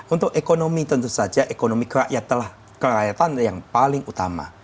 untuk ekonomi tentu saja ekonomi kerakyatan kerakyatan yang paling utama